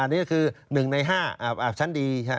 นี่ก็คือ๑ใน๕อาบชั้นดี